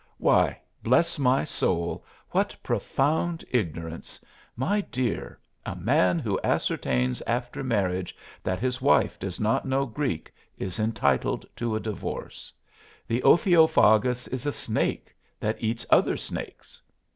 "Why, bless my soul, what profound ignorance! My dear, a man who ascertains after marriage that his wife does not know Greek is entitled to a divorce. The ophiophagus is a snake that eats other snakes."